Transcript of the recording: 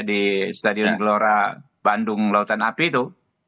di stadion gelora bandung lautan api itu